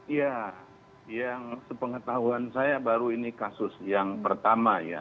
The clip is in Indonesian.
iya yang sepengetahuan saya baru ini kasus yang pertama ya